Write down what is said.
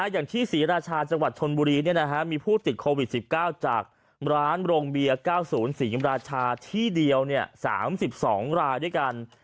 อย่างที่ศรีราชาจังหวัดชนบุรีมีผู้ติดโควิด๑๙จากร้านโรงเบียร์๙๐ศรีราชาที่เดียว๓๒รายด้วยกัน